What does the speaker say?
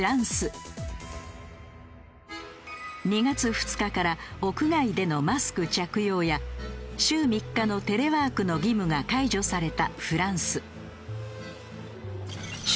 ２月２日から屋外でのマスク着用や週３日のテレワークの義務が解除されたフランス。